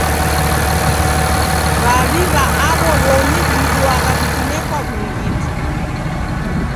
W'aw'i w'a aw'o w'omi w'iduagha w'ikinekwa w'urighiti.